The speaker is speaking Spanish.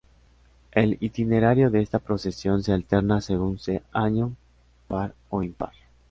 El itinerario de esta procesión se alterna según sea año par o impar.